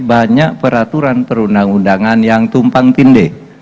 banyak peraturan perundang undangan yang tumpang tindih